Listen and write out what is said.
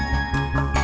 liat dong liat